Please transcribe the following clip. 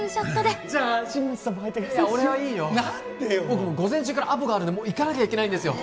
僕午前中からアポがあるんでもう行かなきゃいけないんですよ